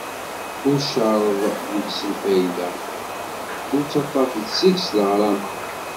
Ur cerreḍ deg-s lfayda, ur ttaṭṭaf seg-s leɣrama.